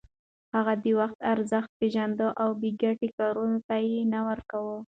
هغه د وخت ارزښت پېژانده او بې ګټې کارونو ته وخت نه ورکاوه.